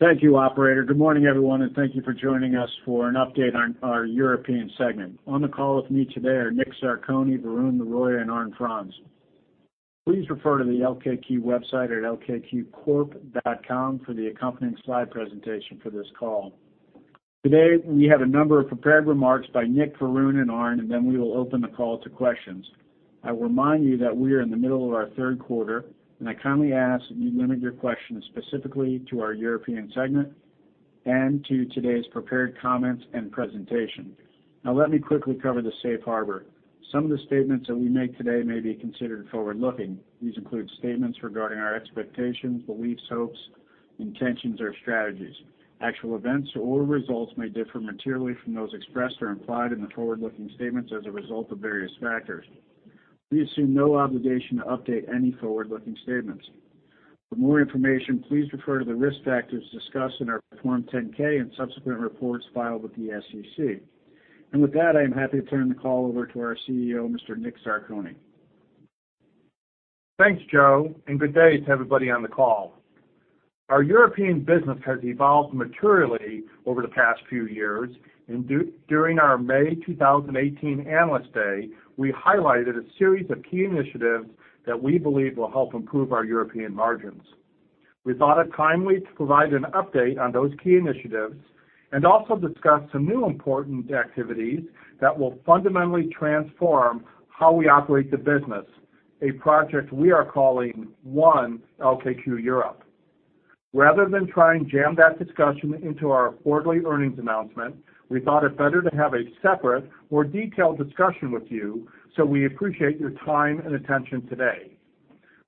Thank you, operator. Good morning, everyone, and thank you for joining us for an update on our European segment. On the call with me today are Dominick Zarcone, Varun Laroyia, and Arnd Franz. Please refer to the LKQ website at lkqcorp.com for the accompanying slide presentation for this call. Today, we have a number of prepared remarks by Nick, Varun, and Arnd, and then we will open the call to questions. I remind you that we are in the middle of our third quarter, and I kindly ask that you limit your questions specifically to our European segment and to today's prepared comments and presentation. Now, let me quickly cover the safe harbor. Some of the statements that we make today may be considered forward-looking. These include statements regarding our expectations, beliefs, hopes, intentions, or strategies. Actual events or results may differ materially from those expressed or implied in the forward-looking statements as a result of various factors. We assume no obligation to update any forward-looking statements. For more information, please refer to the risk factors discussed in our Form 10-K and subsequent reports filed with the SEC. With that, I am happy to turn the call over to our CEO, Mr. Dominick Zarcone. Thanks, Joe, good day to everybody on the call. Our European business has evolved materially over the past few years. During our May 2018 Analyst Day, we highlighted a series of key initiatives that we believe will help improve our European margins. We thought it timely to provide an update on those key initiatives and also discuss some new important activities that will fundamentally transform how we operate the business, a project we are calling One LKQ Europe. Rather than try and jam that discussion into our quarterly earnings announcement, we thought it better to have a separate, more detailed discussion with you, so we appreciate your time and attention today.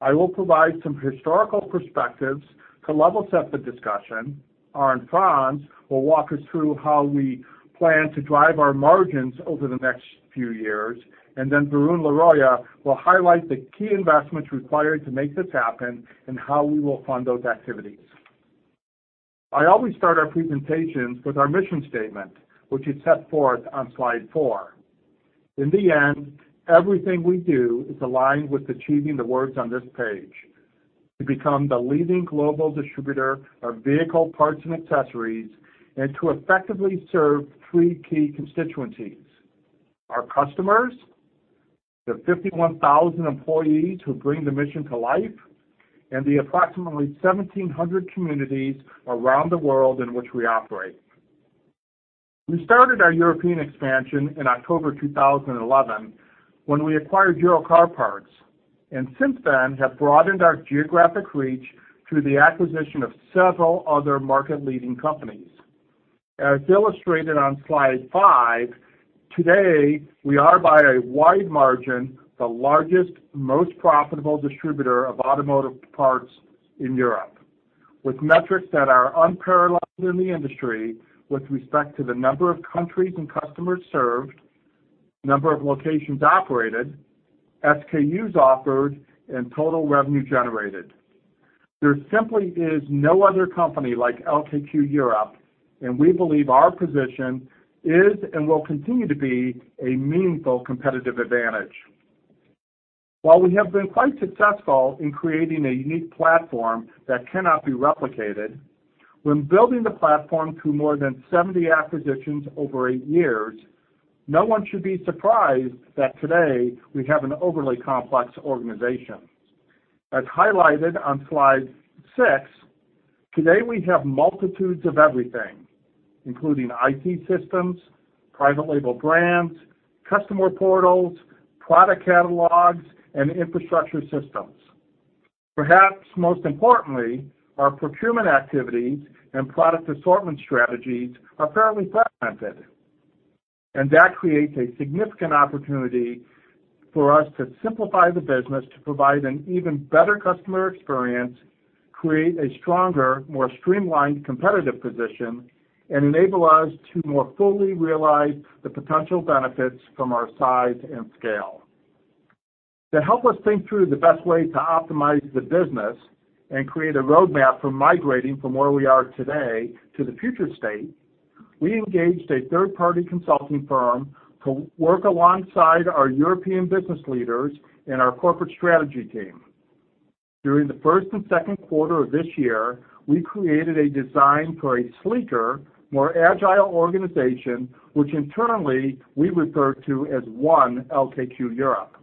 I will provide some historical perspectives to level set the discussion. Arnd Franz will walk us through how we plan to drive our margins over the next few years, and then Varun Laroyia will highlight the key investments required to make this happen and how we will fund those activities. I always start our presentations with our mission statement, which is set forth on slide four. In the end, everything we do is aligned with achieving the words on this page. To become the leading global distributor of vehicle parts and accessories, and to effectively serve three key constituencies, our customers, the 51,000 employees who bring the mission to life, and the approximately 1,700 communities around the world in which we operate. We started our European expansion in October 2011 when we acquired Euro Car Parts, and since then have broadened our geographic reach through the acquisition of several other market-leading companies. As illustrated on slide five, today, we are by a wide margin the largest, most profitable distributor of automotive parts in Europe. With metrics that are unparalleled in the industry with respect to the number of countries and customers served, number of locations operated, SKUs offered, and total revenue generated. There simply is no other company like LKQ Europe, and we believe our position is and will continue to be a meaningful competitive advantage. While we have been quite successful in creating a unique platform that cannot be replicated, when building the platform through more than 70 acquisitions over eight years, no one should be surprised that today we have an overly complex organization. As highlighted on slide six, today we have multitudes of everything, including IT systems, private label brands, customer portals, product catalogs, and infrastructure systems. Perhaps most importantly, our procurement activities and product assortment strategies are fairly fragmented, and that creates a significant opportunity for us to simplify the business to provide an even better customer experience, create a stronger, more streamlined competitive position, and enable us to more fully realize the potential benefits from our size and scale. To help us think through the best way to optimize the business and create a roadmap for migrating from where we are today to the future state, we engaged a third-party consulting firm to work alongside our European business leaders and our corporate strategy team. During the first and second quarter of this year, we created a design for a sleeker, more agile organization, which internally we refer to as One LKQ Europe.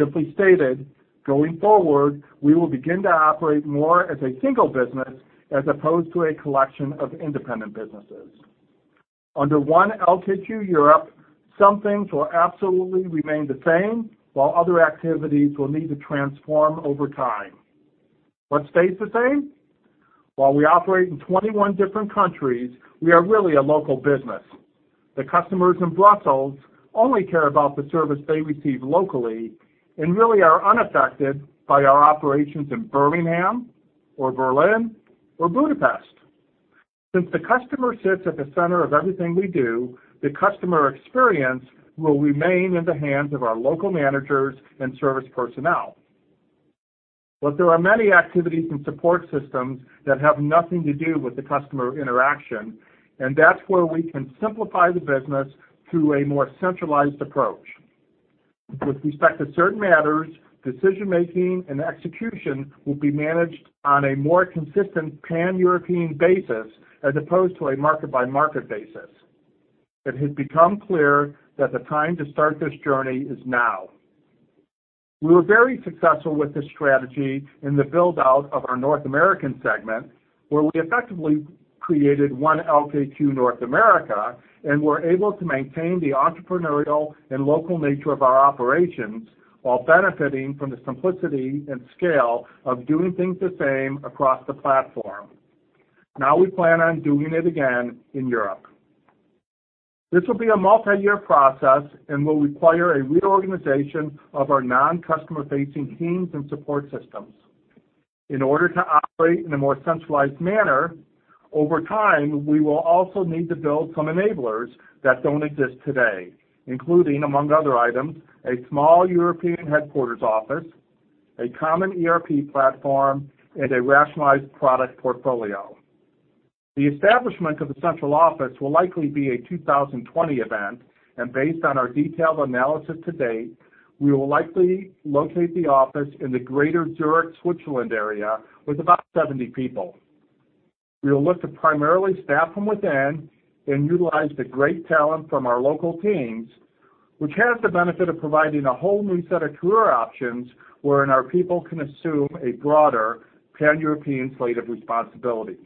Simply stated, going forward, we will begin to operate more as a single business as opposed to a collection of independent businesses. Under One LKQ Europe, some things will absolutely remain the same, while other activities will need to transform over time. What stays the same? While we operate in 21 different countries, we are really a local business. The customers in Brussels only care about the service they receive locally and really are unaffected by our operations in Birmingham or Berlin or Budapest. Since the customer sits at the center of everything we do, the customer experience will remain in the hands of our local managers and service personnel. There are many activities and support systems that have nothing to do with the customer interaction, and that's where we can simplify the business through a more centralized approach. With respect to certain matters, decision-making and execution will be managed on a more consistent pan-European basis as opposed to a market-by-market basis. It has become clear that the time to start this journey is now. We were very successful with this strategy in the build-out of our North American Segment, where we effectively created One LKQ North America, and were able to maintain the entrepreneurial and local nature of our operations while benefiting from the simplicity and scale of doing things the same across the platform. Now we plan on doing it again in Europe. This will be a multi-year process and will require a reorganization of our non-customer-facing teams and support systems. In order to operate in a more centralized manner, over time, we will also need to build some enablers that don't exist today, including, among other items: a small European headquarters office, a common ERP platform, and a rationalized product portfolio. The establishment of the central office will likely be a 2020 event. Based on our detailed analysis to date, we will likely locate the office in the greater Zurich, Switzerland area with about 70 people. We will look to primarily staff from within and utilize the great talent from our local teams, which has the benefit of providing a whole new set of career options wherein our people can assume a broader pan-European slate of responsibilities.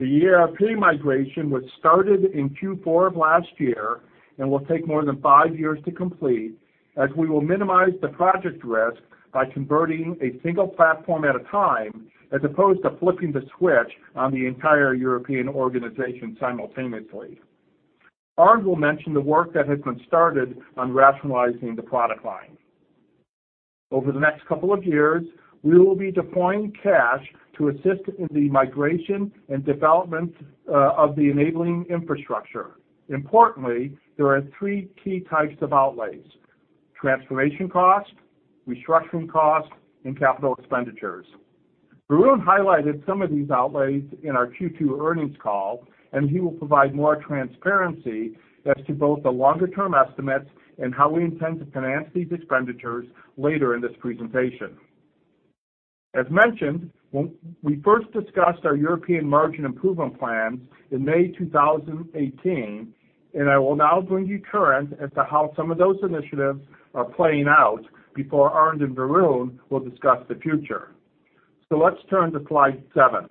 The ERP migration was started in Q4 of last year and will take more than 5 years to complete, as we will minimize the project risk by converting a single platform at a time, as opposed to flipping the switch on the entire European organization simultaneously. Arnd will mention the work that has been started on rationalizing the product line. Over the next couple of years, we will be deploying cash to assist in the migration and development of the enabling infrastructure. Importantly, there are three key types of outlays: transformation costs, restructuring costs, and capital expenditures. Varun highlighted some of these outlays in our Q2 earnings call, and he will provide more transparency as to both the longer-term estimates and how we intend to finance these expenditures later in this presentation. As mentioned, we first discussed our European margin improvement plans in May 2018, and I will now bring you current as to how some of those initiatives are playing out before Arnd and Varun will discuss the future. Let's turn to slide seven.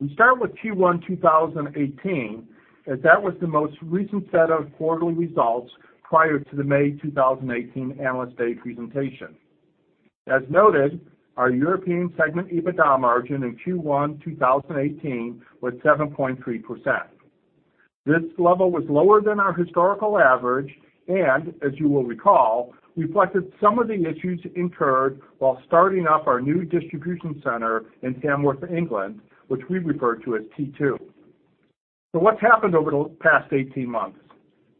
We start with Q1 2018, as that was the most recent set of quarterly results prior to the May 2018 Analyst Day presentation. As noted, our European segment EBITDA margin in Q1 2018 was 7.3%. This level was lower than our historical average, and as you will recall, reflected some of the issues incurred while starting up our new distribution center in Tamworth, England, which we refer to as T2. What's happened over the past 18 months?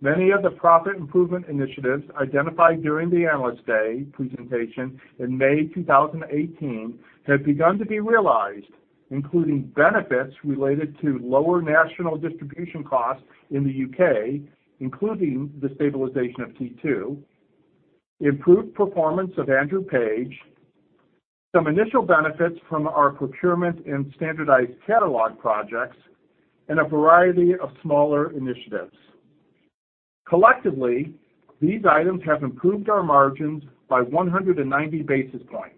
Many of the profit improvement initiatives identified during the Analyst Day presentation in May 2018 have begun to be realized, including benefits related to lower national distribution costs in the U.K., including the stabilization of T2, improved performance of Andrew Page, some initial benefits from our procurement and standardized catalog projects, and a variety of smaller initiatives. Collectively, these items have improved our margins by 190 basis points.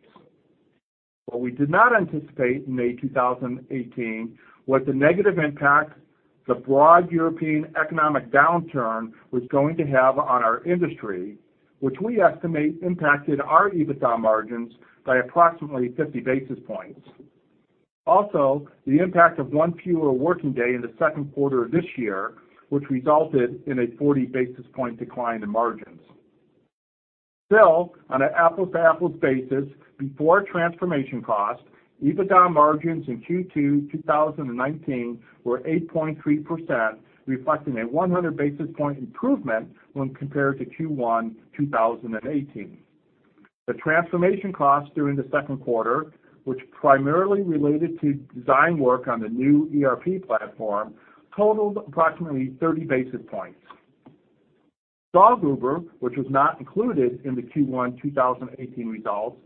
What we did not anticipate in May 2018 was the negative impact the broad European economic downturn was going to have on our industry, which we estimate impacted our EBITDA margins by approximately 50 basis points. Also, the impact of one fewer working day in the second quarter of this year, which resulted in a 40 basis point decline in margins. Still, on an apples-to-apples basis, before transformation costs, EBITDA margins in Q2 2019 were 8.3%, reflecting a 100 basis point improvement when compared to Q1 2018. The transformation costs during the second quarter, which primarily related to design work on the new ERP platform, totaled approximately 30 basis points. Stahlgruber, which was not included in the Q1 2018 results,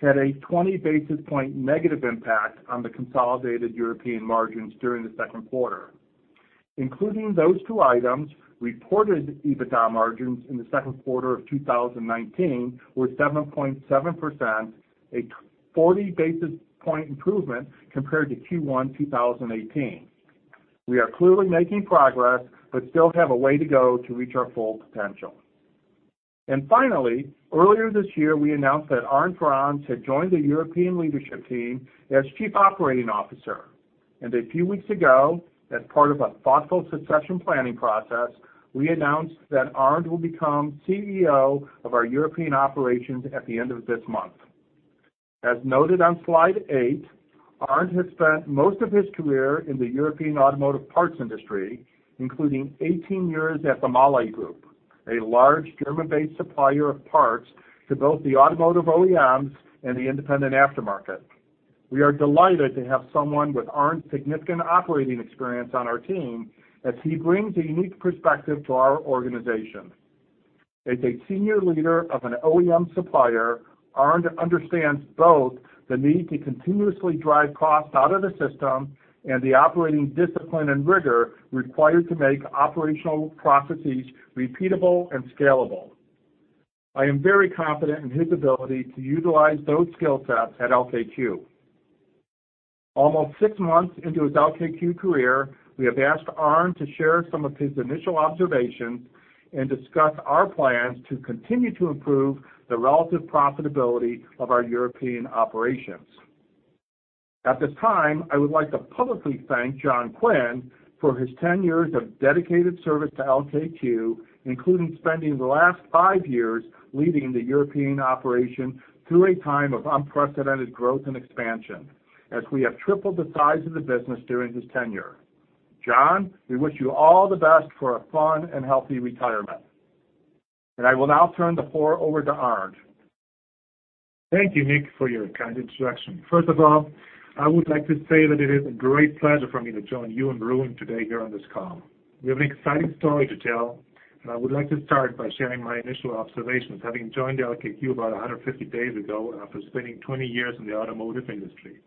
had a 20 basis point negative impact on the consolidated European margins during the second quarter. Including those two items, reported EBITDA margins in the second quarter of 2019 were 7.7%, a 40 basis points improvement compared to Q1 2018. We are clearly making progress, but still have a way to go to reach our full potential. Finally, earlier this year, we announced that Arnd Franz had joined the European leadership team as Chief Operating Officer. A few weeks ago, as part of a thoughtful succession planning process, we announced that Arnd will become CEO of our European operations at the end of this month. As noted on slide eight, Arnd has spent most of his career in the European automotive parts industry, including 18 years at the Mahle Group, a large German-based supplier of parts to both the automotive OEMs and the independent aftermarket. We are delighted to have someone with Arnd's significant operating experience on our team, as he brings a unique perspective to our organization. As a senior leader of an OEM supplier, Arnd understands both the need to continuously drive costs out of the system and the operating discipline and rigor required to make operational processes repeatable and scalable. I am very confident in his ability to utilize those skill sets at LKQ. Almost six months into his LKQ career, we have asked Arnd to share some of his initial observations and discuss our plans to continue to improve the relative profitability of our European operations. At this time, I would like to publicly thank John Quinn for his 10 years of dedicated service to LKQ, including spending the last five years leading the European operation through a time of unprecedented growth and expansion, as we have tripled the size of the business during his tenure. John, we wish you all the best for a fun and healthy retirement. I will now turn the floor over to Arnd. Thank you, Nick, for your kind introduction. First of all, I would like to say that it is a great pleasure for me to join you and Varun today here on this call. We have an exciting story to tell, and I would like to start by sharing my initial observations, having joined LKQ about 150 days ago and after spending 20 years in the automotive industry.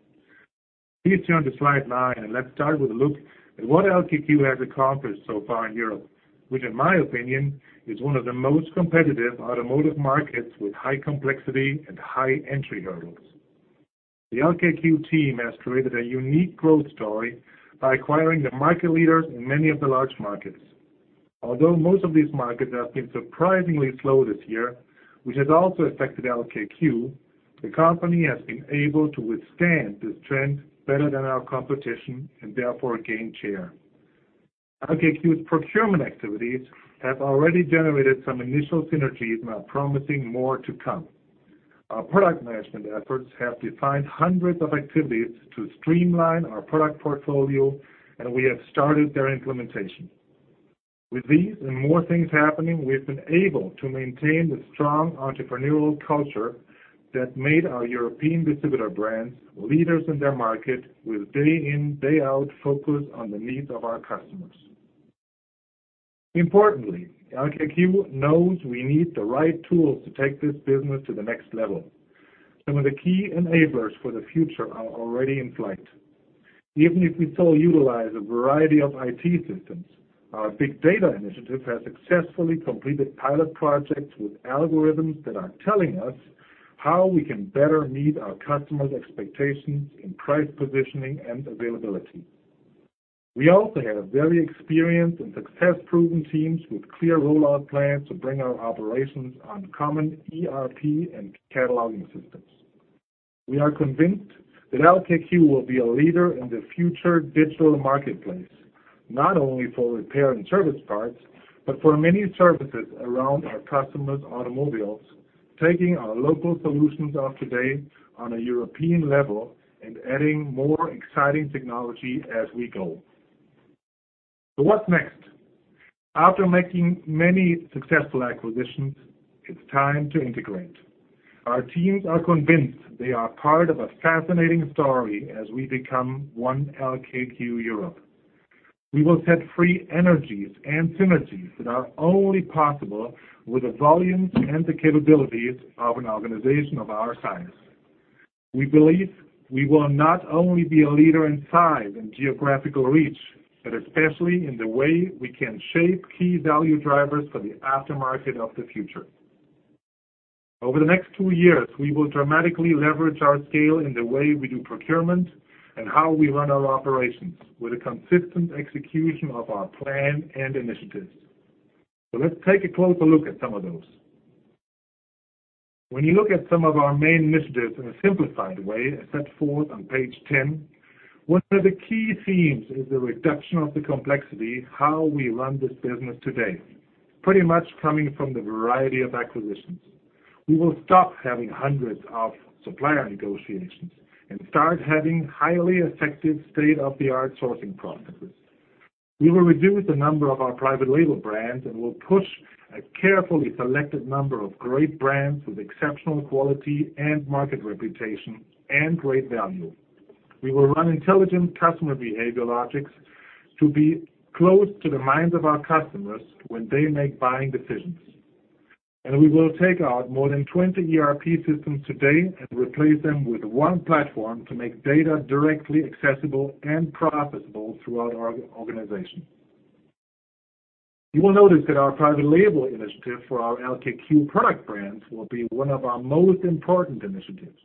Please turn to slide nine and let's start with a look at what LKQ has accomplished so far in Europe, which in my opinion, is one of the most competitive automotive markets with high complexity and high entry hurdles. The LKQ team has created a unique growth story by acquiring the market leaders in many of the large markets. Although most of these markets have been surprisingly slow this year, which has also affected LKQ, the company has been able to withstand this trend better than our competition and therefore gain share. LKQ's procurement activities have already generated some initial synergies and are promising more to come. Our product management efforts have defined hundreds of activities to streamline our product portfolio, and we have started their implementation. With these and more things happening, we've been able to maintain the strong entrepreneurial culture that made our European distributor brands leaders in their market with day-in, day-out focus on the needs of our customers. Importantly, LKQ knows we need the right tools to take this business to the next level. Some of the key enablers for the future are already in flight. Even if we still utilize a variety of IT systems, our big data initiative has successfully completed pilot projects with algorithms that are telling us how we can better meet our customers' expectations in price positioning and availability. We also have very experienced and success-proven teams with clear rollout plans to bring our operations on common ERP and cataloging systems. We are convinced that LKQ will be a leader in the future digital marketplace, not only for repair and service parts, but for many services around our customers' automobiles, taking our local solutions of today on a European level and adding more exciting technology as we go. What's next? After making many successful acquisitions, it's time to integrate. Our teams are convinced they are part of a fascinating story as we become One LKQ Europe. We will set free energies and synergies that are only possible with the volumes and the capabilities of an organization of our size. We believe we will not only be a leader in size and geographical reach, but especially in the way we can shape key value drivers for the aftermarket of the future. Over the next 2 years, we will dramatically leverage our scale in the way we do procurement and how we run our operations with a consistent execution of our plan and initiatives. Let's take a closer look at some of those. When you look at some of our main initiatives in a simplified way, as set forth on page 10, one of the key themes is the reduction of the complexity how we run this business today. Pretty much coming from the variety of acquisitions. We will stop having hundreds of supplier negotiations and start having highly effective state-of-the-art sourcing processes. We will reduce the number of our private label brands and will push a carefully selected number of great brands with exceptional quality and market reputation and great value. We will run intelligent customer behavior logics to be close to the minds of our customers when they make buying decisions. We will take out more than 20 ERP systems today and replace them with one platform to make data directly accessible and processable throughout our organization. You will notice that our private label initiative for our LKQ product brands will be one of our most important initiatives.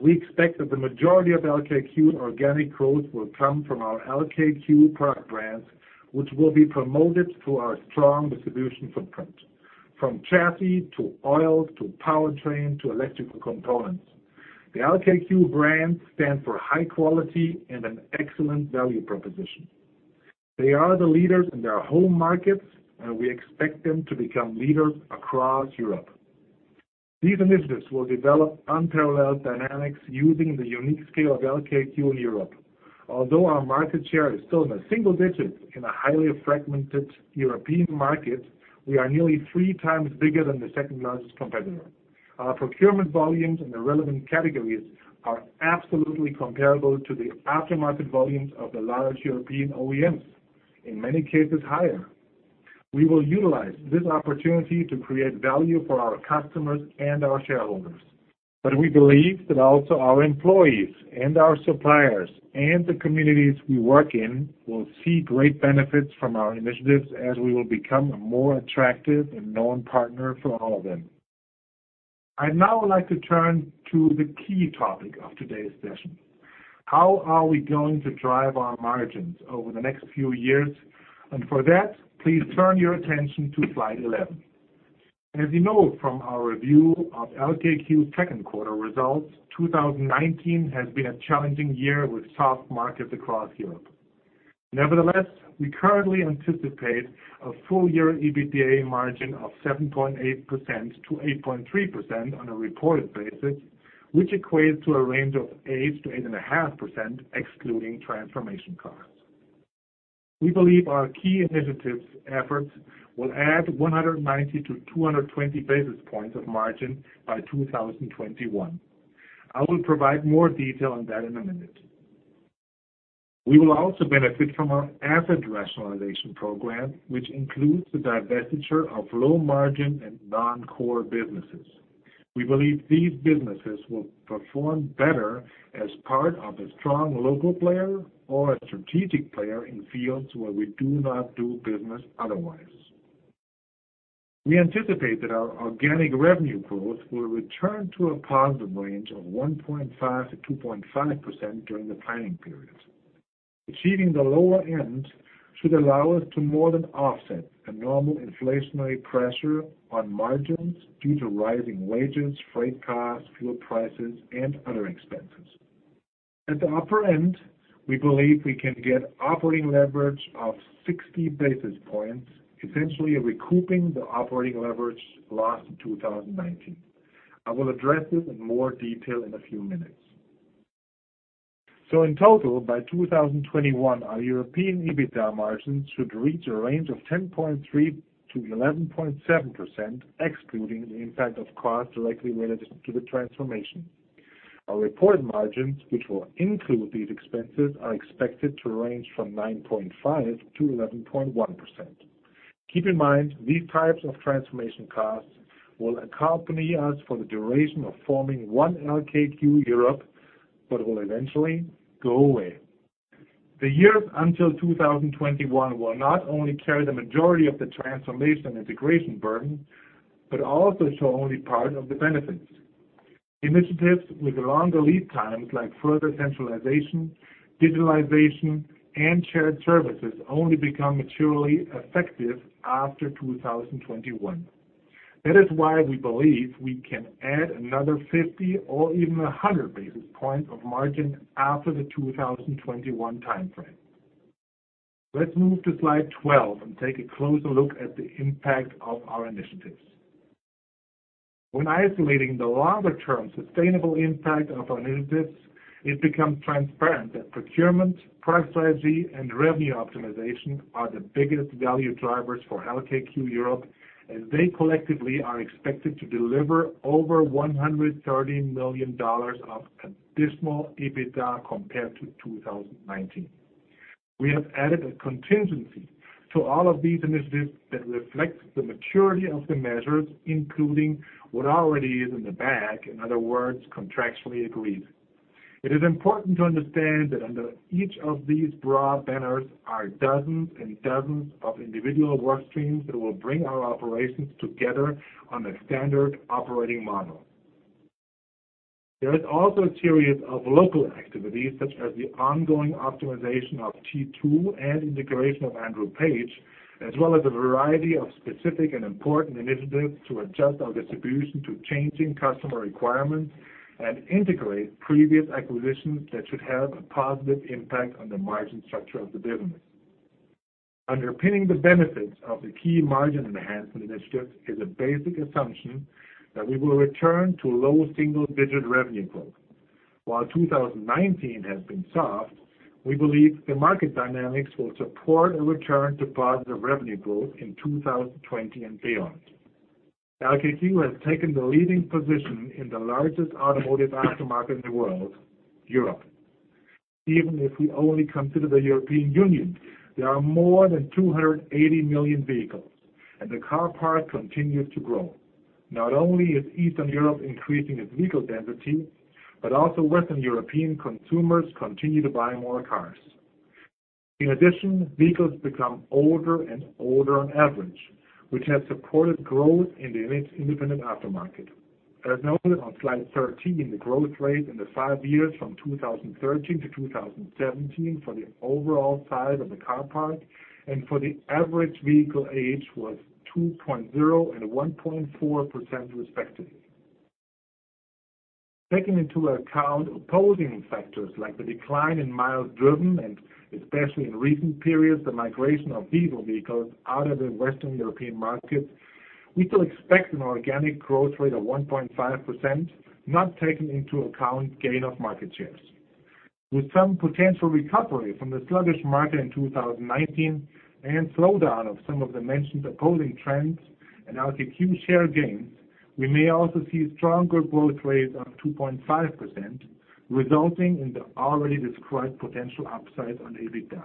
We expect that the majority of LKQ organic growth will come from our LKQ product brands, which will be promoted through our strong distribution footprint, from chassis to oil to powertrain to electrical components. The LKQ brand stands for high quality and an excellent value proposition. They are the leaders in their home markets, and we expect them to become leaders across Europe. These initiatives will develop unparalleled dynamics using the unique scale of LKQ in Europe. Although our market share is still in the single digits in a highly fragmented European market, we are nearly three times bigger than the second-largest competitor. Our procurement volumes in the relevant categories are absolutely comparable to the aftermarket volumes of the large European OEMs, in many cases higher. We will utilize this opportunity to create value for our customers and our shareholders. We believe that also our employees and our suppliers and the communities we work in will see great benefits from our initiatives as we will become a more attractive and known partner for all of them. I'd now like to turn to the key topic of today's session. How are we going to drive our margins over the next few years? For that, please turn your attention to slide 11. As you know from our review of LKQ's second quarter results, 2019 has been a challenging year with soft markets across Europe. Nevertheless, we currently anticipate a full-year EBITDA margin of 7.8%-8.3% on a reported basis, which equates to a range of 8%-8.5% excluding transformation costs. We believe our key initiatives efforts will add 190 to 220 basis points of margin by 2021. I will provide more detail on that in a minute. We will also benefit from our asset rationalization program, which includes the divestiture of low-margin and non-core businesses. We believe these businesses will perform better as part of a strong local player or a strategic player in fields where we do not do business otherwise. We anticipate that our organic revenue growth will return to a positive range of 1.5% to 2.5% during the planning period. Achieving the lower end should allow us to more than offset a normal inflationary pressure on margins due to rising wages, freight costs, fuel prices, and other expenses. At the upper end, we believe we can get operating leverage of 60 basis points, essentially recouping the operating leverage lost in 2019. I will address this in more detail in a few minutes. In total, by 2021, our European EBITDA margin should reach a range of 10.3% to 11.7%, excluding the impact of costs directly related to the transformation. Our reported margins, which will include these expenses, are expected to range from 9.5%-11.1%. Keep in mind, these types of transformation costs will accompany us for the duration of forming One LKQ Europe, but will eventually go away. The years until 2021 will not only carry the majority of the transformation integration burden, but also show only part of the benefits. Initiatives with longer lead times like further centralization, digitalization, and shared services only become materially effective after 2021. That is why we believe we can add another 50 or even 100 basis points of margin after the 2021 timeframe. Let's move to slide 12 and take a closer look at the impact of our initiatives. When isolating the longer-term sustainable impact of our initiatives, it becomes transparent that procurement, price legacy, and revenue optimization are the biggest value drivers for LKQ Europe, as they collectively are expected to deliver over $130 million of additional EBITDA compared to 2019. We have added a contingency to all of these initiatives that reflects the maturity of the measures, including what already is in the bag, in other words, contractually agreed. It is important to understand that under each of these broad banners are dozens and dozens of individual work streams that will bring our operations together on a standard operating model. There is also a series of local activities, such as the ongoing optimization of T2 and integration of Andrew Page, as well as a variety of specific and important initiatives to adjust our distribution to changing customer requirements and integrate previous acquisitions that should have a positive impact on the margin structure of the business. Underpinning the benefits of the key margin enhancement initiatives is a basic assumption that we will return to low single-digit revenue growth. While 2019 has been soft, we believe the market dynamics will support a return to positive revenue growth in 2020 and beyond. LKQ has taken the leading position in the largest automotive aftermarket in the world, Europe. Even if we only consider the European Union, there are more than 280 million vehicles. The car part continues to grow. Not only is Eastern Europe increasing its vehicle density, but also Western European consumers continue to buy more cars. In addition, vehicles become older and older on average, which has supported growth in the independent aftermarket. As noted on Slide 13, the growth rate in the five years from 2013 to 2017 for the overall size of the car park and for the average vehicle age was 2.0% and 1.4%, respectively. Taking into account opposing factors like the decline in miles driven and especially in recent periods, the migration of diesel vehicles out of the Western European markets, we still expect an organic growth rate of 1.5%, not taking into account gain of market shares. With some potential recovery from the sluggish market in 2019 and slowdown of some of the mentioned opposing trends and LKQ share gains, we may also see stronger growth rates of 2.5%, resulting in the already described potential upside on EBITDA.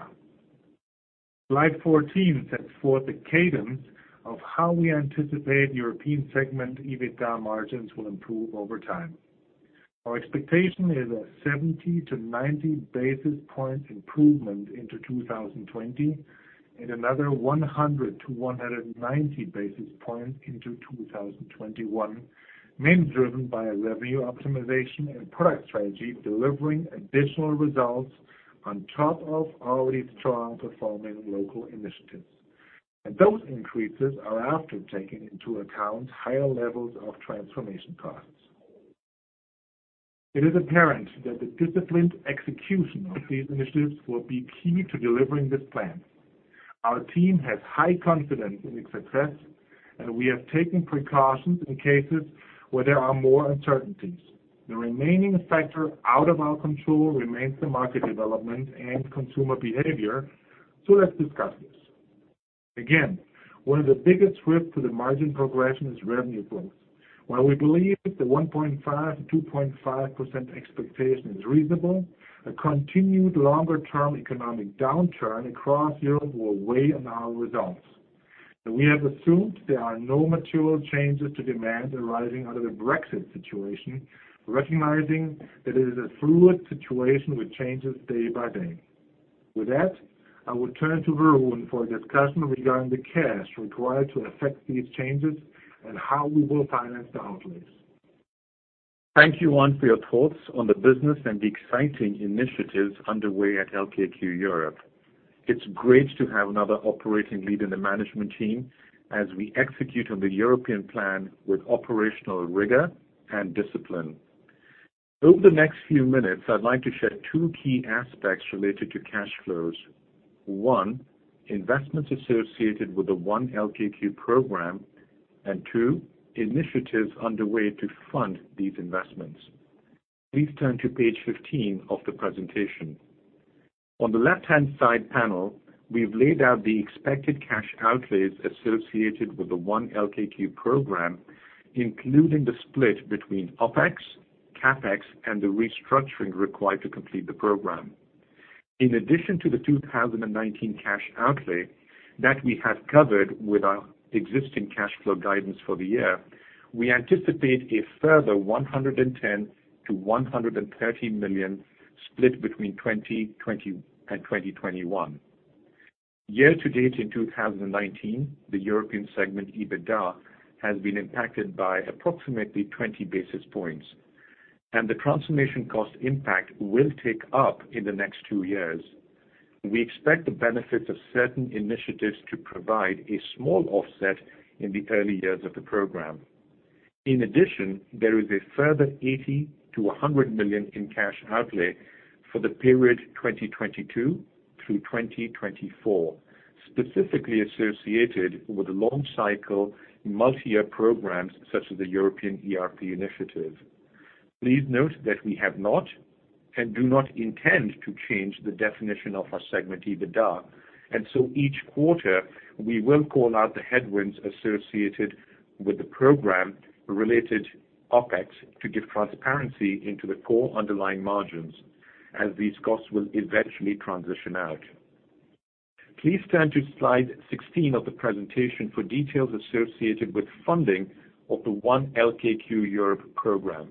Slide 14 sets forth the cadence of how we anticipate European segment EBITDA margins will improve over time. Our expectation is a 70 to 90 basis point improvement into 2020 and another 100 to 190 basis points into 2021, mainly driven by revenue optimization and product strategy delivering additional results on top of already strong-performing local initiatives. Those increases are after taking into account higher levels of transformation costs. It is apparent that the disciplined execution of these initiatives will be key to delivering this plan. Our team has high confidence in its success, and we have taken precautions in cases where there are more uncertainties. The remaining factor out of our control remains the market development and consumer behavior. Let's discuss this. Again, one of the biggest risks to the margin progression is revenue growth. While we believe the 1.5%-2.5% expectation is reasonable, a continued longer-term economic downturn across Europe will weigh on our results. We have assumed there are no material changes to demand arising out of the Brexit situation, recognizing that it is a fluid situation with changes day by day. With that, I will turn to Varun for a discussion regarding the cash required to effect these changes and how we will finance the outlays. Thank you, Arnd, for your thoughts on the business and the exciting initiatives underway at LKQ Europe. It's great to have another operating lead in the management team as we execute on the European plan with operational rigor and discipline. Over the next few minutes, I'd like to share two key aspects related to cash flows. 1, investments associated with the One LKQ program, and 2, initiatives underway to fund these investments. Please turn to page 15 of the presentation. On the left-hand side panel, we've laid out the expected cash outlays associated with the One LKQ program, including the split between OpEx, CapEx, and the restructuring required to complete the program. In addition to the 2019 cash outlay that we have covered with our existing cash flow guidance for the year, we anticipate a further $110 million-$130 million split between 2020 and 2021. Year to date in 2019, the European segment EBITDA has been impacted by approximately 20 basis points. The transformation cost impact will take up in the next two years. We expect the benefits of certain initiatives to provide a small offset in the early years of the program. In addition, there is a further $80 million-$100 million in cash outlay for the period 2022 through 2024, specifically associated with long-cycle, multi-year programs such as the European ERP initiative. Please note that we have not and do not intend to change the definition of our segment EBITDA, and so each quarter, we will call out the headwinds associated with the program-related OpEx to give transparency into the core underlying margins as these costs will eventually transition out. Please turn to slide 16 of the presentation for details associated with funding of the One LKQ Europe program.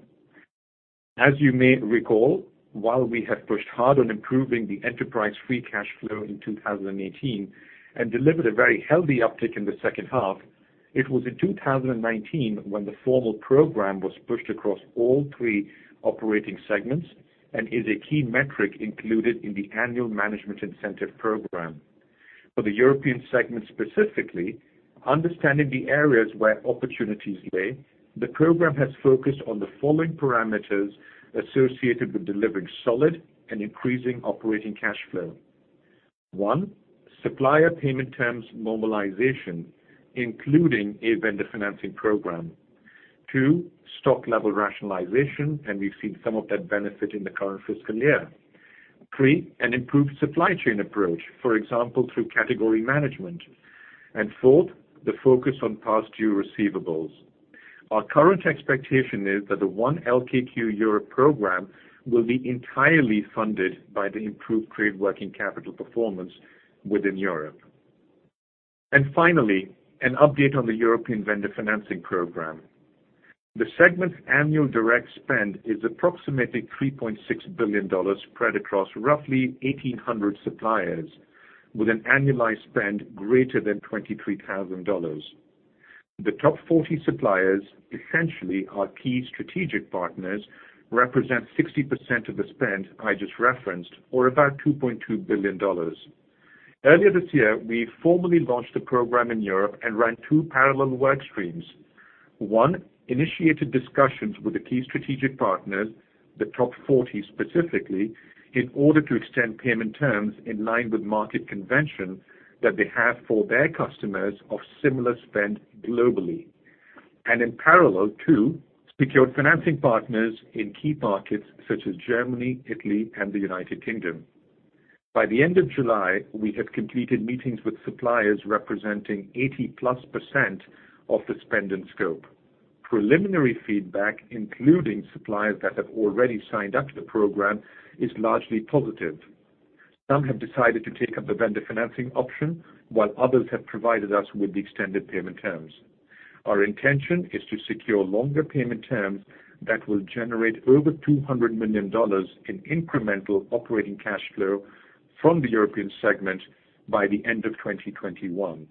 As you may recall, while we have pushed hard on improving the enterprise free cash flow in 2018 and delivered a very healthy uptick in the second half, it was in 2019 when the formal program was pushed across all three operating segments and is a key metric included in the annual management incentive program. For the European segment, specifically, understanding the areas where opportunities lay, the program has focused on the following parameters associated with delivering solid and increasing operating cash flow. One, supplier payment terms mobilization, including a vendor financing program. Two, stock level rationalization, and we've seen some of that benefit in the current fiscal year. Three, an improved supply chain approach, for example, through category management. Fourth, the focus on past due receivables. Our current expectation is that the One LKQ Europe program will be entirely funded by the improved trade working capital performance within Europe. Finally, an update on the European vendor financing program. The segment's annual direct spend is approximately $3.6 billion spread across roughly 1,800 suppliers, with an annualized spend greater than $23,000. The top 40 suppliers, essentially our key strategic partners, represent 60% of the spend I just referenced, or about $2.2 billion. Earlier this year, we formally launched the program in Europe and ran two parallel work streams. One, initiated discussions with the key strategic partners, the top 40 specifically, in order to extend payment terms in line with market convention that they have for their customers of similar spend globally. In parallel, two, secured financing partners in key markets such as Germany, Italy, and the United Kingdom. By the end of July, we had completed meetings with suppliers representing 80-plus% of the spend and scope. Preliminary feedback, including suppliers that have already signed up to the program, is largely positive. Some have decided to take up the vendor financing option while others have provided us with the extended payment terms. Our intention is to secure longer payment terms that will generate over $200 million in incremental operating cash flow from the European segment by the end of 2021.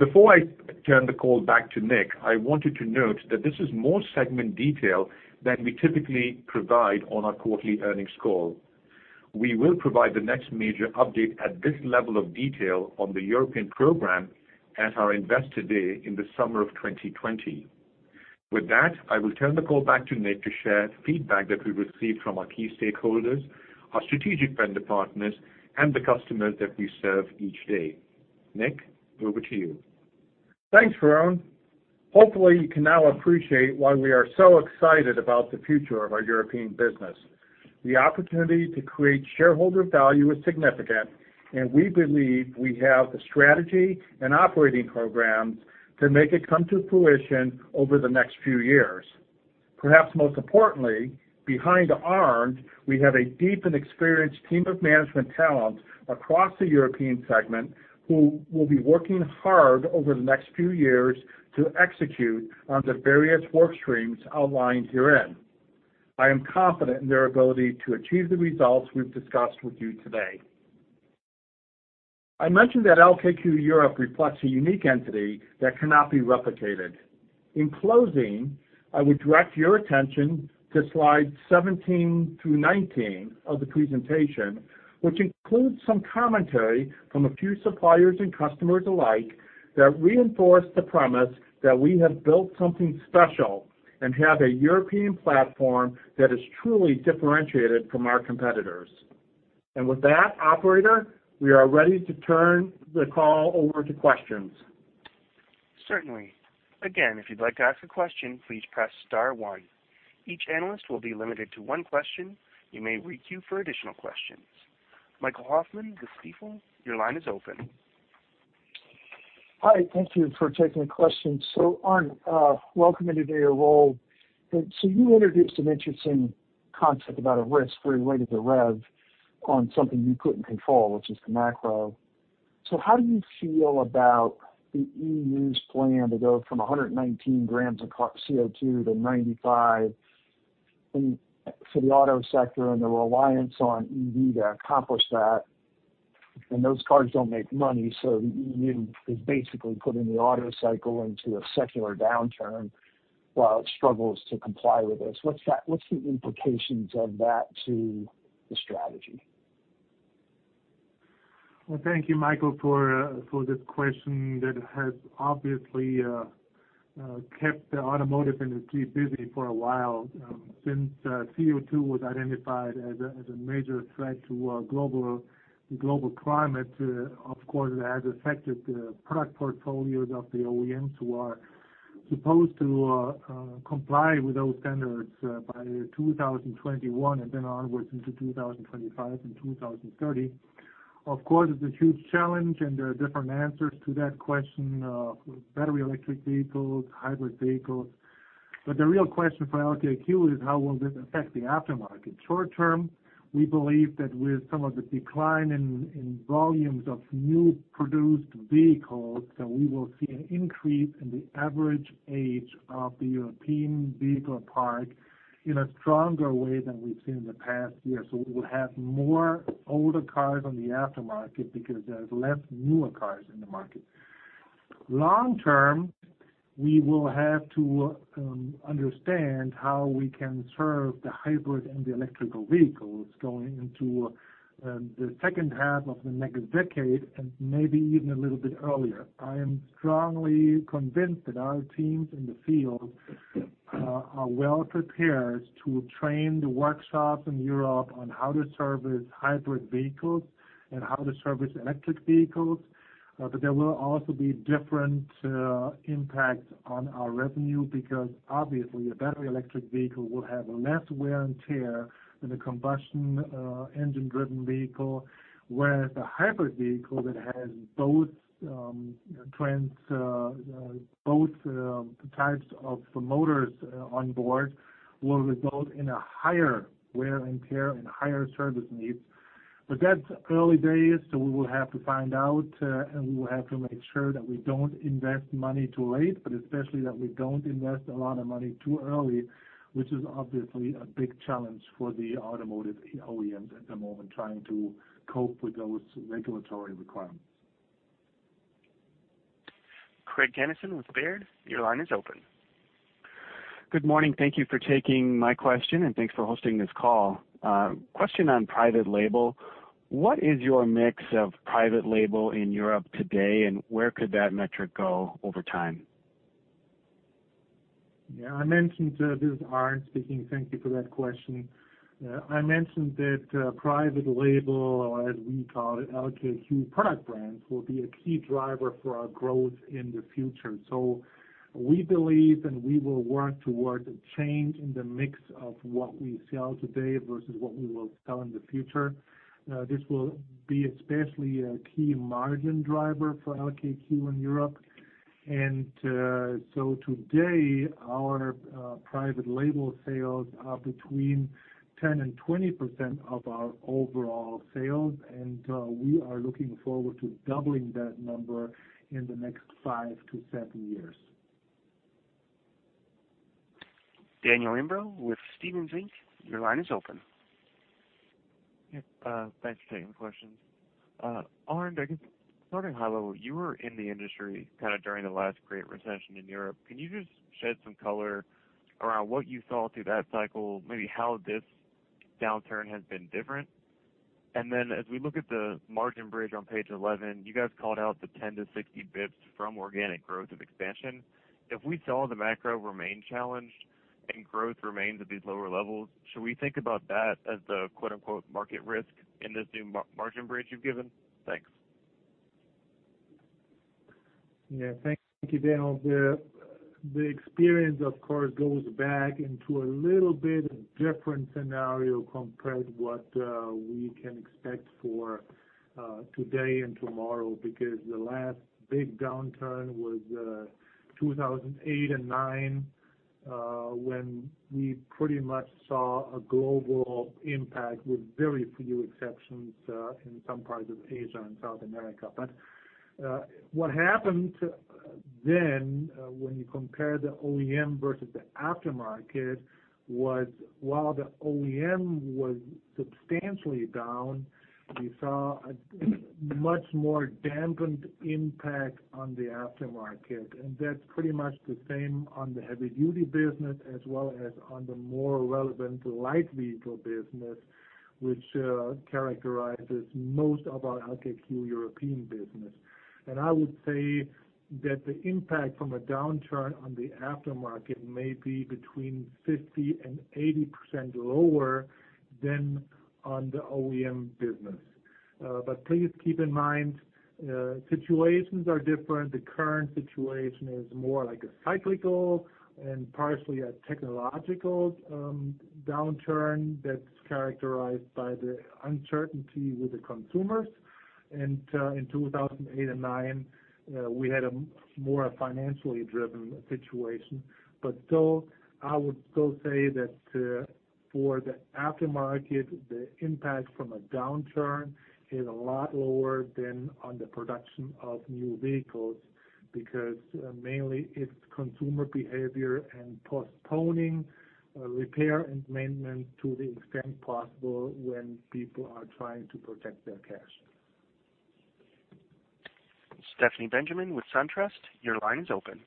Before I turn the call back to Nick, I wanted to note that this is more segment detail than we typically provide on our quarterly earnings call. We will provide the next major update at this level of detail on the European program at our Investor Day in the summer of 2020. With that, I will turn the call back to Nick to share feedback that we've received from our key stakeholders, our strategic vendor partners, and the customers that we serve each day. Nick, over to you. Thanks, Varun. Hopefully, you can now appreciate why we are so excited about the future of our European business. The opportunity to create shareholder value is significant, and we believe we have the strategy and operating programs to make it come to fruition over the next few years. Perhaps most importantly, behind Arnd, we have a deep and experienced team of management talent across the European segment who will be working hard over the next few years to execute on the various work streams outlined herein. I am confident in their ability to achieve the results we've discussed with you today. I mentioned that LKQ Europe reflects a unique entity that cannot be replicated. In closing, I would direct your attention to slides 17 through 19 of the presentation, which includes some commentary from a few suppliers and customers alike that reinforce the premise that we have built something special and have a European platform that is truly differentiated from our competitors. With that, operator, we are ready to turn the call over to questions. Certainly. Again, if you'd like to ask a question, please press star one. Each analyst will be limited to one question. You may queue for additional questions. Michael Hoffman, The Stifel, your line is open. Hi. Thank you for taking the question. Arnd, welcome into your role. You introduced an interesting concept about a risk related to REV on something you couldn't control, which is the macro. How do you feel about the EU's plan to go from 119 grams of CO2 to 95 for the auto sector and the reliance on EV to accomplish that? Those cars don't make money, so the EU is basically putting the auto cycle into a secular downturn while it struggles to comply with this. What's the implications of that to the strategy? Thank you, Michael, for this question that has obviously kept the automotive industry busy for a while. Since CO2 was identified as a major threat to global climate, of course, it has affected the product portfolios of the OEMs who are supposed to comply with those standards by 2021 and then onwards into 2025 and 2030. It's a huge challenge, and there are different answers to that question of battery electric vehicles, hybrid vehicles. The real question for LKQ is how will this affect the aftermarket? Short-term, we believe that with some of the decline in volumes of new produced vehicles, that we will see an increase in the average age of the European vehicle park in a stronger way than we've seen in the past years. We will have more older cars on the aftermarket because there's less newer cars in the market. Long-term, we will have to understand how we can serve the hybrid and the electrical vehicles going into the second half of the next decade and maybe even a little bit earlier. I am strongly convinced that our teams in the field are well prepared to train the workshops in Europe on how to service hybrid vehicles and how to service electric vehicles. There will also be different impacts on our revenue because obviously, a battery electric vehicle will have less wear and tear than a combustion engine-driven vehicle, whereas the hybrid vehicle that has both types of motors on board will result in a higher wear and tear and higher service needs. That's early days, so we will have to find out, and we will have to make sure that we don't invest money too late, but especially that we don't invest a lot of money too early, which is obviously a big challenge for the automotive OEMs at the moment, trying to cope with those regulatory requirements. Craig Kennison with Baird, your line is open. Good morning. Thank you for taking my question, and thanks for hosting this call. A question on private label. What is your mix of private label in Europe today, and where could that metric go over time? Yeah. This is Arnd speaking. Thank you for that question. I mentioned that private label, as we call it, LKQ product brands, will be a key driver for our growth in the future. We believe and we will work towards a change in the mix of what we sell today versus what we will sell in the future. This will be especially a key margin driver for LKQ in Europe. Today our private label sales are between 10% and 20% of our overall sales, and we are looking forward to doubling that number in the next five to seven years. Daniel Imbro with Stephens, Inc., your line is open. Yes. Thanks for taking the questions. Arnd, I guess starting high level, you were in the industry during the last great recession in Europe. Can you just shed some color around what you saw through that cycle, maybe how this downturn has been different? As we look at the margin bridge on page 11, you guys called out the 10 to 60 basis points from organic growth of expansion. If we saw the macro remain challenged and growth remains at these lower levels, should we think about that as the "market risk" in this new margin bridge you've given? Thanks. Thank you, Daniel. The experience of course, goes back into a little bit different scenario compared what we can expect for today and tomorrow, because the last big downturn was 2008 and 2009, when we pretty much saw a global impact with very few exceptions in some parts of Asia and South America. What happened then, when you compare the OEM versus the aftermarket was, while the OEM was substantially down, we saw a much more dampened impact on the aftermarket. That's pretty much the same on the heavy-duty business as well as on the more relevant light vehicle business, which characterizes most of our LKQ European business. I would say that the impact from a downturn on the aftermarket may be between 50%-80% lower than on the OEM business. Please keep in mind, situations are different. The current situation is more like a cyclical and partially a technological downturn that's characterized by the uncertainty with the consumers. In 2008 and 2009, we had a more financially driven situation. I would still say that for the aftermarket, the impact from a downturn is a lot lower than on the production of new vehicles, because mainly it's consumer behavior and postponing repair and maintenance to the extent possible when people are trying to protect their cash. Stephanie Benjamin with SunTrust, your line is open.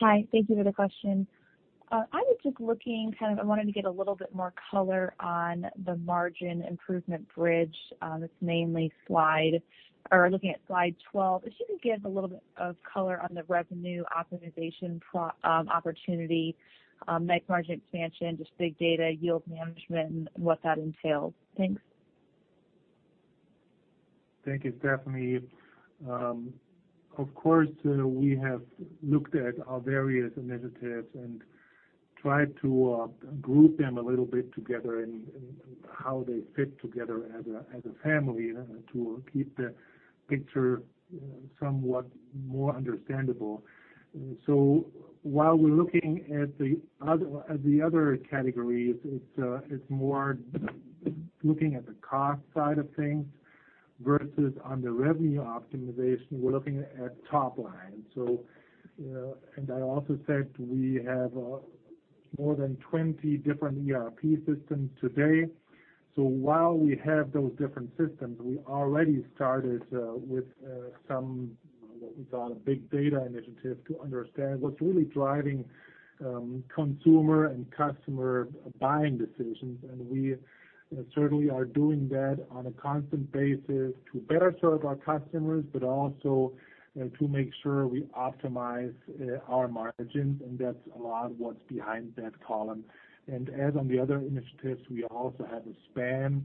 Hi. Thank you for the question. I was just looking, I wanted to get a little bit more color on the margin improvement bridge. That's mainly looking at slide 12. If you can give a little bit of color on the revenue optimization opportunity, net margin expansion, just big data, yield management, and what that entails. Thanks. Thank you, Stephanie. Of course, we have looked at our various initiatives and tried to group them a little bit together in how they fit together as a family to keep the picture somewhat more understandable. While we're looking at the other categories, it's more looking at the cost side of things, versus on the revenue optimization, we're looking at top line. I also said we have more than 20 different ERP systems today. While we have those different systems, we already started with some what we call a big data initiative to understand what's really driving consumer and customer buying decisions. We certainly are doing that on a constant basis to better serve our customers, but also to make sure we optimize our margins, and that's a lot of what's behind that column. As on the other initiatives, we also have a span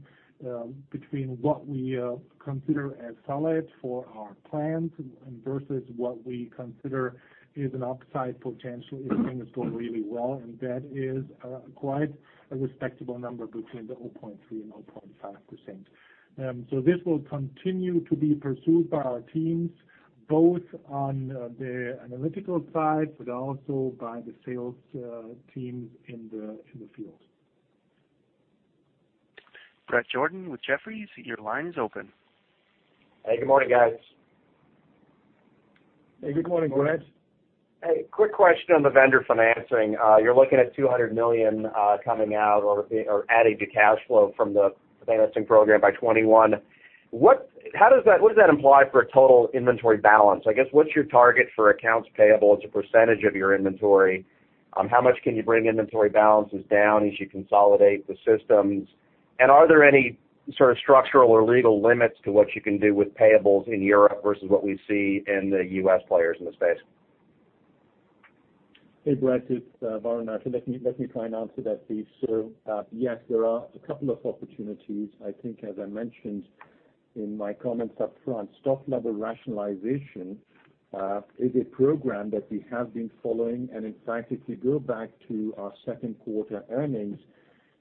between what we consider as solid for our plans and versus what we consider is an upside potential if things go really well, and that is quite a respectable number between 0.3% and 0.5%. This will continue to be pursued by our teams, both on the analytical side, but also by the sales teams in the field. Bret Jordan with Jefferies, your line is open. Hey, good morning, guys. Hey, good morning, Bret. Hey, quick question on the vendor financing. You're looking at $200 million coming out or adding to cash flow from the financing program by 2021. What does that imply for a total inventory balance? I guess, what's your target for accounts payable as a % of your inventory? How much can you bring inventory balances down as you consolidate the systems? Are there any sort of structural or legal limits to what you can do with payables in Europe versus what we see in the U.S. players in the space? Hey, Bret, it's Varun. I think, let me try and answer that please. Yes, there are a couple of opportunities. I think as I mentioned in my comments up front. Stock level rationalization is a program that we have been following. In fact, if you go back to our second quarter earnings,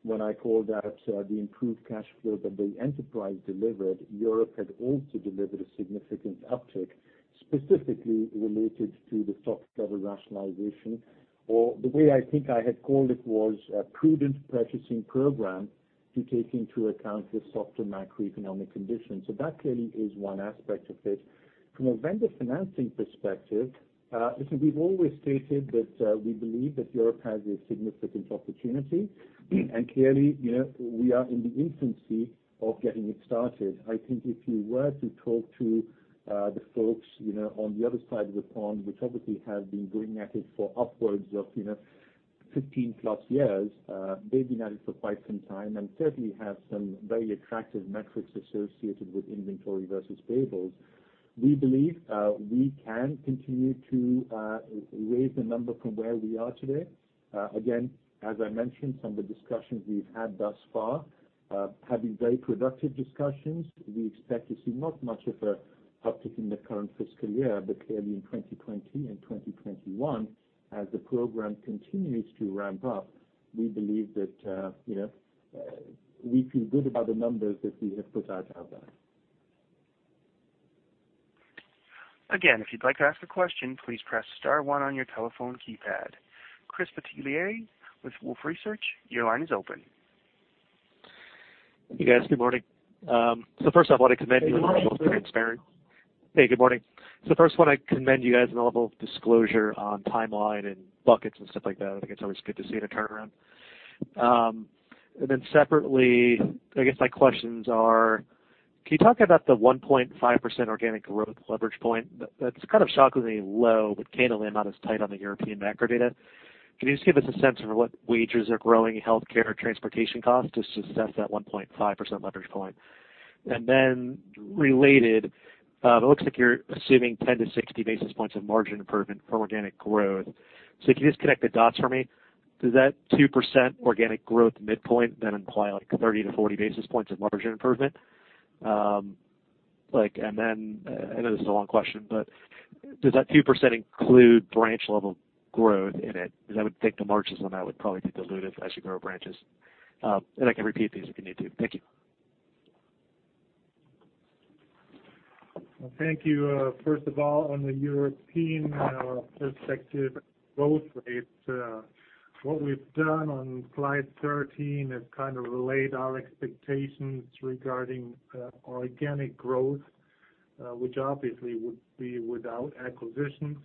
when I called out the improved cash flow that the enterprise delivered, Europe had also delivered a significant uptick, specifically related to the stock level rationalization. The way I think I had called it was a prudent purchasing program to take into account the softer macroeconomic conditions. That clearly is one aspect of it. From a vendor financing perspective, listen, we've always stated that we believe that Europe has a significant opportunity, and clearly, we are in the infancy of getting it started. I think if you were to talk to the folks on the other side of the pond, which obviously have been going at it for upwards of 15+ years, they've been at it for quite some time and certainly have some very attractive metrics associated with inventory versus payables. We believe we can continue to raise the number from where we are today. Again, as I mentioned, some of the discussions we've had thus far, have been very productive discussions. We expect to see not much of an uptick in the current fiscal year, but clearly in 2020 and 2021, as the program continues to ramp up. We feel good about the numbers that we have put out there. Again, if you'd like to ask a question, please press star one on your telephone keypad. Chris Peitler with Wolfe Research, your line is open. Hey, guys. Good morning. First I want to commend you. Good morning. Hey, good morning. First I want to commend you guys on the level of disclosure on timeline and buckets and stuff like that. I think it's always good to see in a turnaround. Separately, I guess my questions are, can you talk about the 1.5% organic growth leverage point? That's kind of shockingly low, but candidly I'm not as tight on the European macro data. Can you just give us a sense for what wages are growing, healthcare, transportation costs, just to assess that 1.5% leverage point? Related, it looks like you're assuming 10 to 60 basis points of margin improvement from organic growth. Can you just connect the dots for me? Does that 2% organic growth midpoint then imply 30 to 40 basis points of margin improvement? I know this is a long question, does that 2% include branch level growth in it? I would think the margins on that would probably be dilutive as you grow branches. I can repeat these if you need to. Thank you. Well, thank you. First of all, on the European perspective growth rates, what we've done on slide 13 is kind of relayed our expectations regarding organic growth, which obviously would be without acquisitions,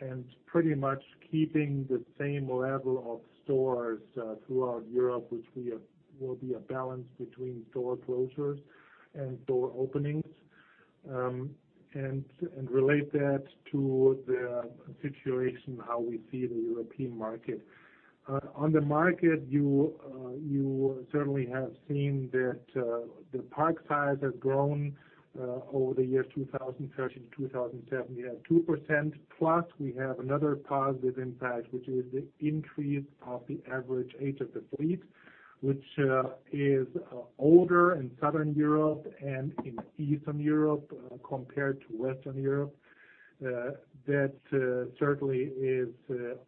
and pretty much keeping the same level of stores throughout Europe, which will be a balance between store closures and store openings, and relate that to the situation, how we see the European market. On the market, you certainly have seen that the park size has grown over the years 2013 to 2017 at 2%, plus we have another positive impact, which is the increase of the average age of the fleet, which is older in Southern Europe and in Eastern Europe compared to Western Europe. That certainly is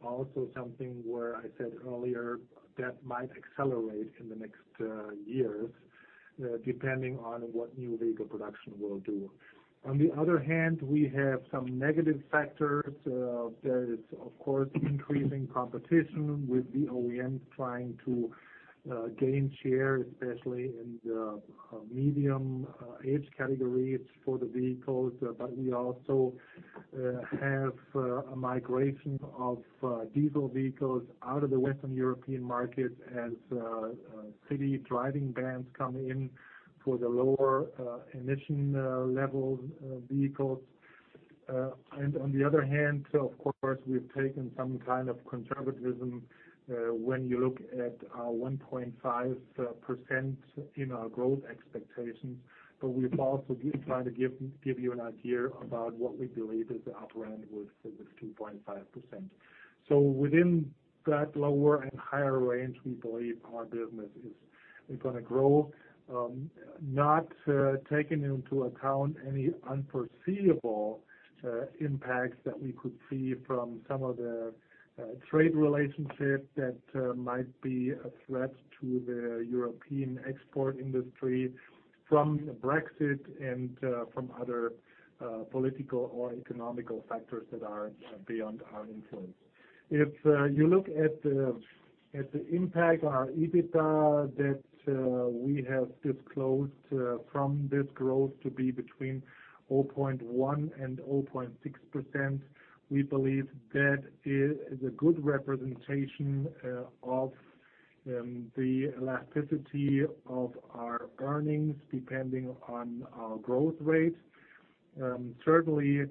also something where I said earlier that might accelerate in the next years, depending on what new vehicle production will do. On the other hand, we have some negative factors. There is, of course, increasing competition with the OEMs trying to gain share, especially in the medium age categories for the vehicles. We also have a migration of diesel vehicles out of the Western European market as city driving bans come in for the lower emission level vehicles. On the other hand, of course, we've taken some kind of conservatism when you look at our 1.5% in our growth expectations. We've also tried to give you an idea about what we believe is the upper end with the 2.5%. Within that lower and higher range, we believe our business is going to grow, not taking into account any unforeseeable impacts that we could see from some of the trade relationships that might be a threat to the European export industry. From Brexit and from other political or economic factors that are beyond our influence. If you look at the impact on our EBITDA that we have disclosed from this growth to be between 0.1% and 0.6%, we believe that is a good representation of the elasticity of our earnings depending on our growth rate. Certainly,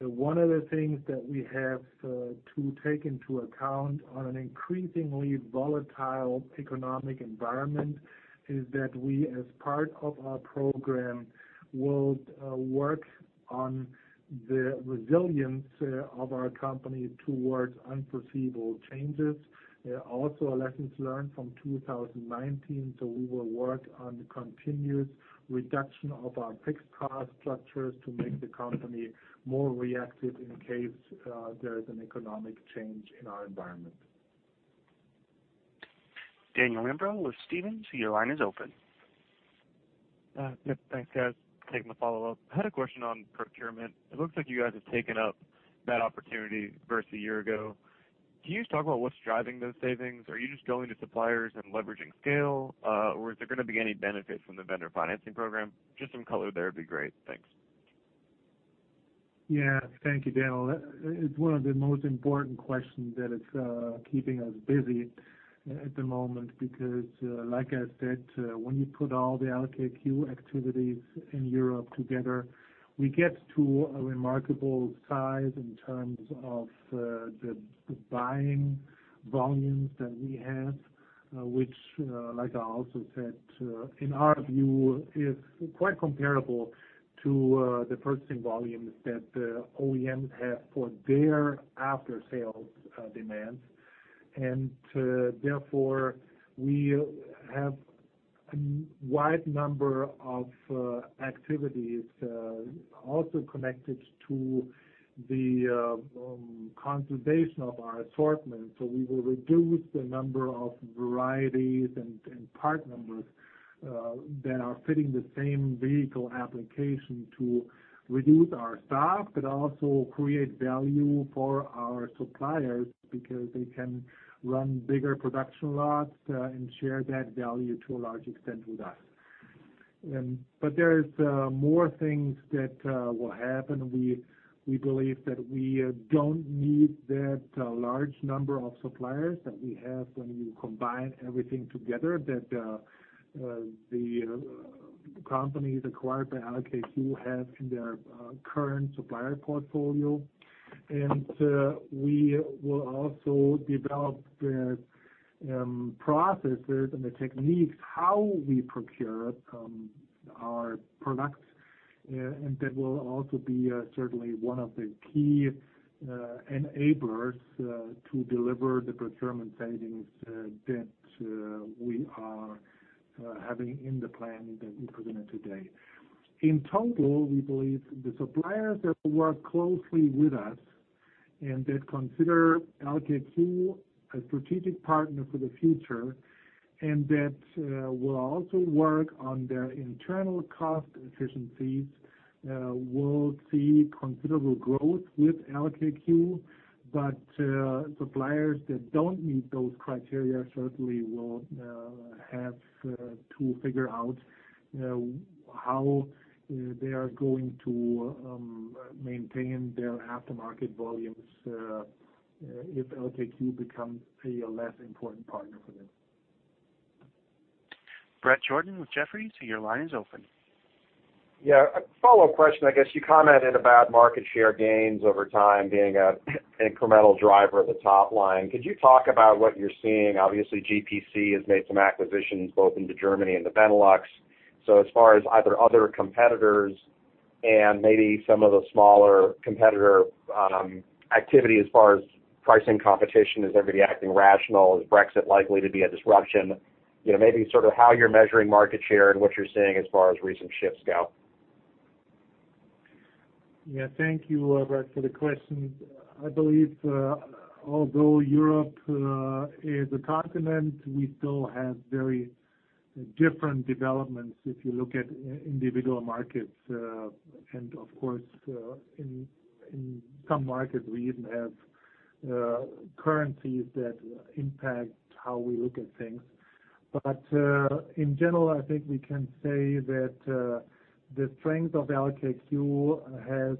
one of the things that we have to take into account on an increasingly volatile economic environment is that we, as part of our program, will work on the resilience of our company towards unforeseeable changes. Also a lesson to learn from 2019, we will work on the continuous reduction of our fixed cost structures to make the company more reactive in case there is an economic change in our environment. Daniel Imbro with Stephens, your line is open. Yeah. Thanks, guys. Taking a follow-up. I had a question on procurement. It looks like you guys have taken up that opportunity versus a year ago. Can you just talk about what's driving those savings? Are you just going to suppliers and leveraging scale? Is there going to be any benefit from the vendor financing program? Just some color there would be great. Thanks. Thank you, Daniel. It's one of the most important questions that is keeping us busy at the moment because, like I said, when you put all the LKQ activities in Europe together, we get to a remarkable size in terms of the buying volumes that we have, which, like I also said, in our view, is quite comparable to the purchasing volumes that OEMs have for their after-sales demands. Therefore, we have a wide number of activities also connected to the consolidation of our assortment. We will reduce the number of varieties and part numbers that are fitting the same vehicle application to reduce our stock, but also create value for our suppliers because they can run bigger production lots and share that value to a large extent with us. There is more things that will happen. We believe that we don't need that large number of suppliers that we have when you combine everything together that the companies acquired by LKQ have in their current supplier portfolio. We will also develop the processes and the techniques how we procure our products. That will also be certainly one of the key enablers to deliver the procurement savings that we are having in the plan that we presented today. In total, we believe the suppliers that work closely with us That consider LKQ a strategic partner for the future, That will also work on their internal cost efficiencies will see considerable growth with LKQ. Suppliers that don't meet those criteria certainly will have to figure out how they are going to maintain their aftermarket volumes, if LKQ becomes a less important partner for them. Bret Jordan with Jefferies, your line is open. Yeah. A follow-up question. I guess you commented about market share gains over time being an incremental driver at the top line. Could you talk about what you're seeing? Obviously, GPC has made some acquisitions both into Germany and the Benelux. As far as either other competitors and maybe some of the smaller competitor activity as far as pricing competition, is everybody acting rational? Is Brexit likely to be a disruption? Maybe how you're measuring market share and what you're seeing as far as recent shifts go? Thank you, Bret, for the question. I believe although Europe is a continent, we still have very different developments if you look at individual markets. Of course, in some markets, we even have currencies that impact how we look at things. In general, I think we can say that the strength of LKQ has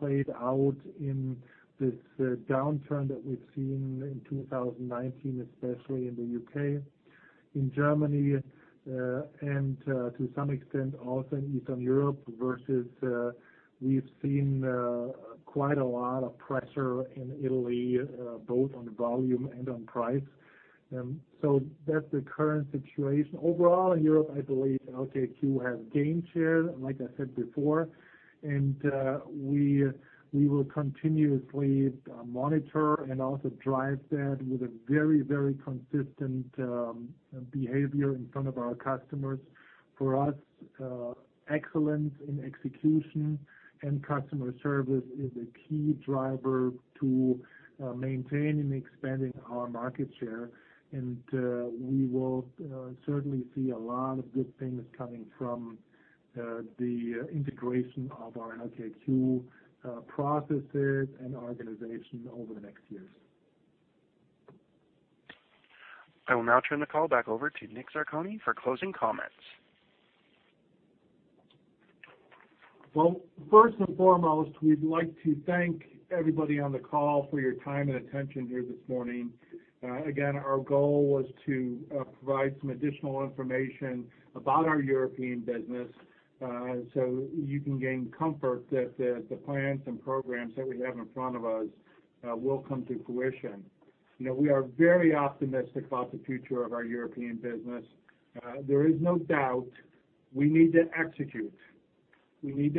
played out in this downturn that we've seen in 2019, especially in the U.K., in Germany, and to some extent, also in Eastern Europe, versus we've seen quite a lot of pressure in Italy, both on volume and on price. That's the current situation. Overall, in Europe, I believe LKQ has gained share, like I said before, and we will continuously monitor and also drive that with a very consistent behavior in front of our customers. For us, excellence in execution and customer service is a key driver to maintaining and expanding our market share. We will certainly see a lot of good things coming from the integration of our LKQ processes and organization over the next years. I will now turn the call back over to Nick Zarcone for closing comments. Well, first and foremost, we'd like to thank everybody on the call for your time and attention here this morning. Again, our goal was to provide some additional information about our European business, so you can gain comfort that the plans and programs that we have in front of us will come to fruition. We are very optimistic about the future of our European business. There is no doubt we need to execute. We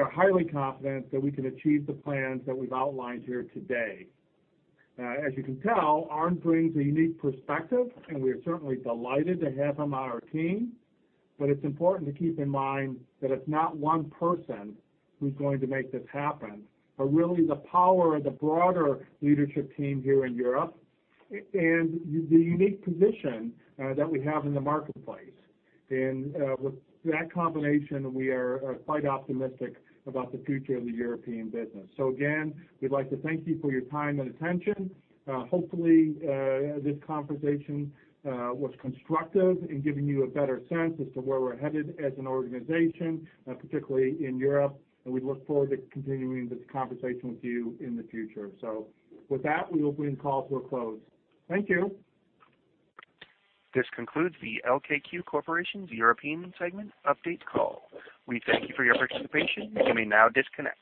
are highly confident that we can achieve the plans that we've outlined here today. As you can tell, Arnd brings a unique perspective, and we are certainly delighted to have him on our team. It's important to keep in mind that it's not one person who's going to make this happen, but really the power of the broader leadership team here in Europe and the unique position that we have in the marketplace. With that combination, we are quite optimistic about the future of the European business. Again, we'd like to thank you for your time and attention. Hopefully, this conversation was constructive in giving you a better sense as to where we're headed as an organization, particularly in Europe, and we look forward to continuing this conversation with you in the future. With that, we will bring the call to a close. Thank you. This concludes the LKQ Corporation's European segment update call. We thank you for your participation. You may now disconnect.